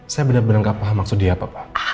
saya bener bener nggak paham maksud dia ya pak